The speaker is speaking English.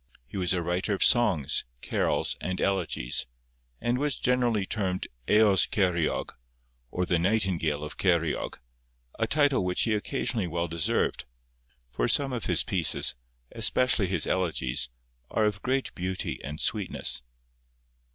He was a writer of songs, carols, and elegies, and was generally termed Eos Ceiriog, or the Nightingale of Ceiriog, a title which he occasionally well deserved, for some of his pieces, especially his elegies, are of great beauty and sweetness.